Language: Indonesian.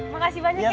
makasih banyak ya pak